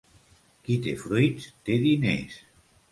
Qui té fruits, té diners.